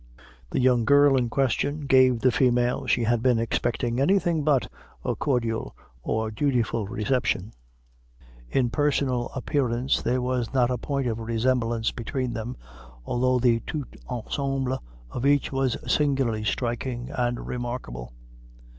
The young girl in question gave the female she had been expecting any thing but a cordial or dutiful reception. In personal appearance there was not a point of resemblance between them, although the tout ensemble of each was singularly striking and remarkable.